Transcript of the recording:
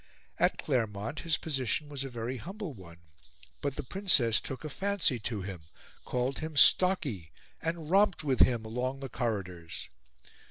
At Claremont his position was a very humble one; but the Princess took a fancy to him, called him "Stocky," and romped with him along the corridors.